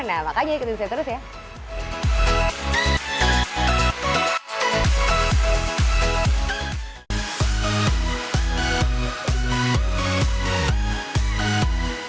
nah makanya ikutin saya terus ya